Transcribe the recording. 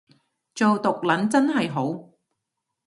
做毒撚真係好